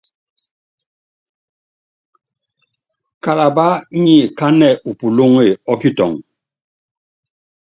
Kalabá nyi kánɛ u pulúŋe ɔ kitɔŋɔ.